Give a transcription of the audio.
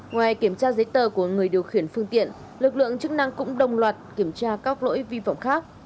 ngoài kiểm tra giấy tờ của người điều khiển phương tiện lực lượng chức năng cũng đồng loạt kiểm tra các lỗi vi phạm khác